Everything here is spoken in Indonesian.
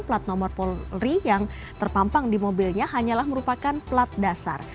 plat nomor polri yang terpampang di mobilnya hanyalah merupakan plat dasar